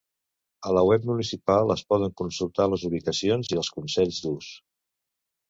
A la web municipal es poden consultar les ubicacions i els consells d’ús.